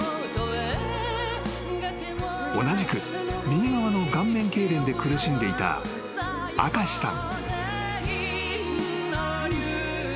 ［同じく右側の顔面けいれんで苦しんでいた明石さん］